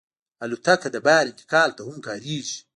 الوتکه د بار انتقال ته هم کارېږي.